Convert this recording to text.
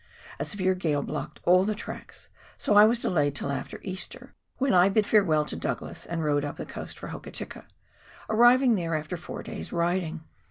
A severe gale blocked all the tracks, so I was delayed till after Easter, when I bid farewell to Douglas and rode up the coast for Hokitika, arriving there after four days' riding.